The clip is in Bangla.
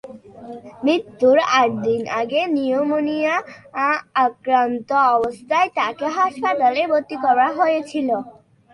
মৃত্যুর আট দিন আগে নিউমোনিয়ায় আক্রান্ত অবস্থায় তাকে হাসপাতালে ভর্তি করা হয়েছিল।